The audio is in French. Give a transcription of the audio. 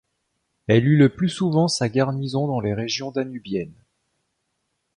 Elle eut le plus souvent sa garnison dans les régions danubiennes.